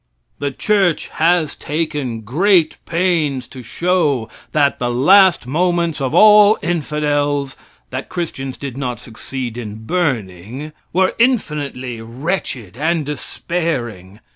The church has taken great pains to show that the last moments of all infidels (that Christians did not succeed in burning) were infinitely wretched and despairing.